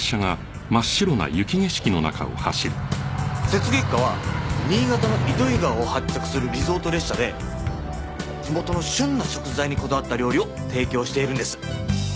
雪月花は新潟の糸魚川を発着するリゾート列車で地元の旬な食材にこだわった料理を提供しているんです。